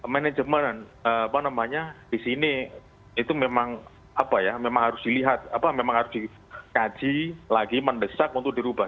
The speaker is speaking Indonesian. manajemen apa namanya di sini itu memang apa ya memang harus dilihat apa memang harus dikaji lagi mendesak untuk dirubah